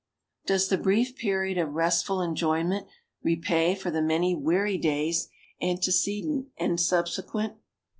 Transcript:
"Does the brief period of restful enjoyment repay for the many weary days antecedent and subsequent?"